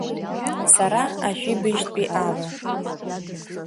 Сара ажәибжьтәи ала.